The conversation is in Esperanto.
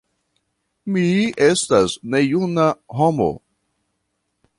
Mi estas nejuna homo.